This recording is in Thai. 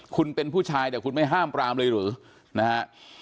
คุณเป็นผู้ชายแต่คุณไม่ห้ามปรามเลยหรือนะฮะ